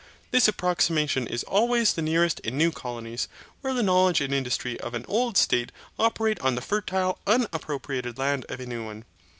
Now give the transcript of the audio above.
This approximation is always the nearest in new colonies, where the knowledge and industry of an old state operate on the fertile unappropriated land of a new one.